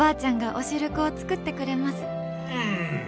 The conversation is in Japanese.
うん！